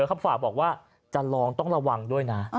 และอำเภอฝากบอกว่าจะลองต้องระวังด้วยนะ